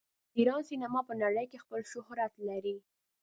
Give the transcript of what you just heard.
د ایران سینما په نړۍ کې خپل شهرت لري.